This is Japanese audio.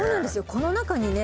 この中にね